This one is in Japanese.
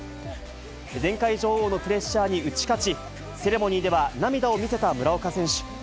前回女王のプレッシャーに打ち勝ち、セレモニーでは涙を見せた村岡選手。